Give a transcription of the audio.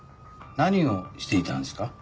何をしていたんですか？